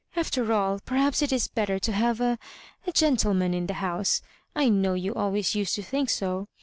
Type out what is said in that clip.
After all, perhaps it is better to have a — a gentleman in the house. I know you always used to think so.